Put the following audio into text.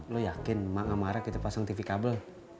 lo yakin emak sama arak itu pasang tv kabel